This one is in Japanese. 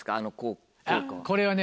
これはね